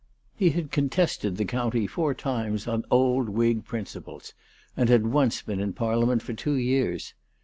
He had contested the county four times on old Whig principles, and had once been in Parliament for two years.